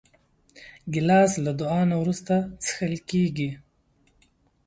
ګیلاس له دعا نه وروسته څښل کېږي.